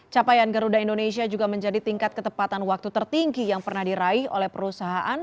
capaian garuda indonesia juga menjadi tingkat ketepatan waktu tertinggi yang pernah diraih oleh perusahaan